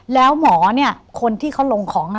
แล้วหมอเนี่ยคนที่เขาลงของ